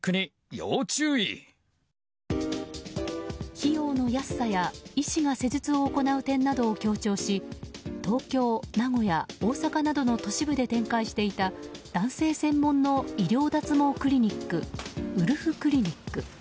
費用の安さや医師が施術を行う点などを強調し東京、名古屋、大阪などの都市部で展開していた男性専門の医療脱毛クリニックウルフクリニック。